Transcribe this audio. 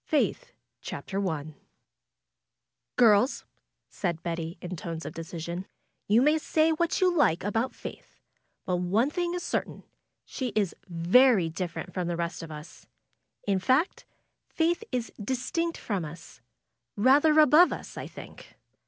FAITH CHAPTER I Girls," said Betty, in tones of decision, ^^yon may say what you like about Faith, but one thing is certain, she is very different from the rest of us. In fact. Faith is distinct from us; rather above us, I think.